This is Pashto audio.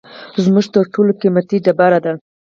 زمرد تر ټولو قیمتي ډبره ده